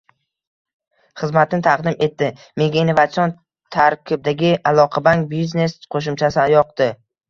xizmatni taqdim etdi, menga innovatsion tarkibdagi Aloqabank Business qo'shimchasi yoqdi